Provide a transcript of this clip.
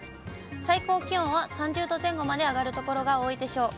最高気温は３０度前後まで上がる所が多いでしょう。